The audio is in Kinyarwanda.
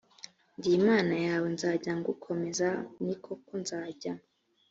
ndi imana yawe nzajya ngukomeza ni koko nzajya